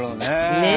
ねえ。